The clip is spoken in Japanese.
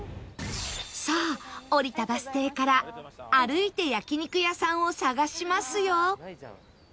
さあ降りたバス停から歩いて焼肉屋さんを探しますよ